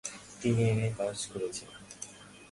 তিনি M A পাশ করেন।